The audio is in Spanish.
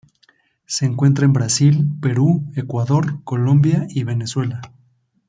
Se encuentra en Brasil, Perú Ecuador, Colombia y Venezuela.